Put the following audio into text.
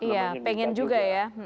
ya pengen juga ya